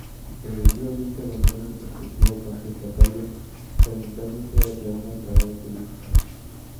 Progresivamente, abandona su perspectiva contestataria orientándose hacia una carrera política.